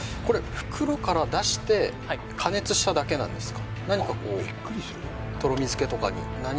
袋から入れて加熱しただけなんですか？